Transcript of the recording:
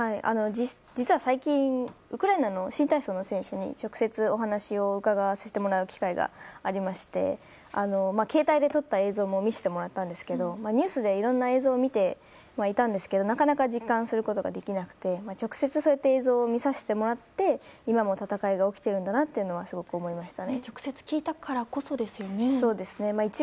実は最近ウクライナの新体操の選手に直接お話を伺わせてもらう機会がありまして携帯で撮った映像も見せてもらったんですけどニュースでいろんな映像を見てはいたんですけどなかなか実感することができなくて直接、そうやって映像を見させてもらって今も戦いが起きてるんだなというのは直接聞いたからこそですよね。